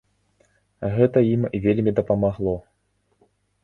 Гэта ім вельмі дапамагло.